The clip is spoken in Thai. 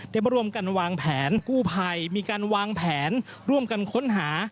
มาร่วมกันวางแผนกู้ภัยมีการวางแผนร่วมกันค้นหา